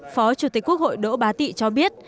phó chủ tịch quốc hội đỗ bá tị cho biết